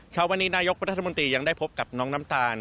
เช้าวันนี้นายกรัฐมนตรียังได้พบกับน้องน้ำตาล